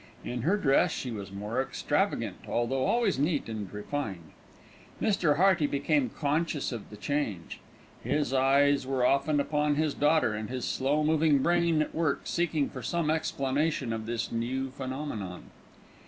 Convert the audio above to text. In her dress she was more extravagant, although always neat and refined. Mr. Hearty became conscious of the change. His eyes were often upon his daughter, and his slow moving brain at work seeking for some explanation of this new phenomenon.